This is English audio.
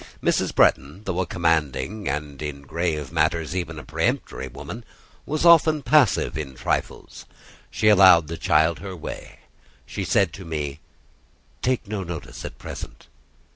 Mrs. Bretton, though a commanding, and in grave matters even a peremptory woman, was often passive in trifles: she allowed the child her way. She said to me, "Take no notice at present."